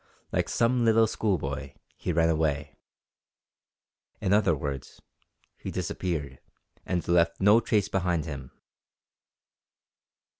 Like some little schoolboy, he ran away! In other words, he disappeared, and left no trace behind him.